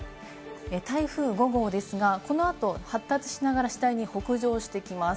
台風５号ですが、このあと発達しながら次第に北上してきます。